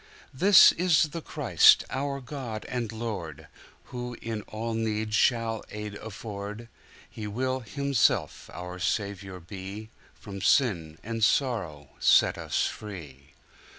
This is the Christ, our God and Lord, Who in all need shall aid afford:He will Himself our Saviour be, From sin and sorrow set us free.